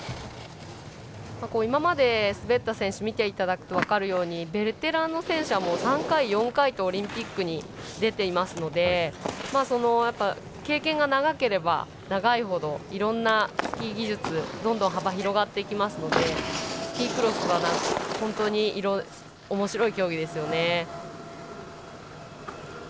今まで滑った選手見ていただくと分かるように、ベテランの選手は３回、４回とオリンピックに出ていますので経験が長ければ長いほどいろんなスキー技術どんどん幅広がりますのでスキークロスは本当におもしろい競技ですよね。